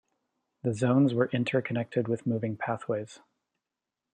The zones were interconnected with moving pathways.